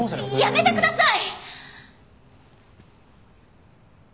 やめてください！